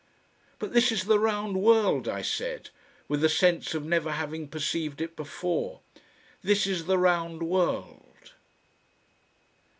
"But this is the round world!" I said, with a sense of never having perceived it before; "this is the round world!"